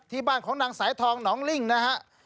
บ้านของนางสายทองหนองลิ่งนะฮะ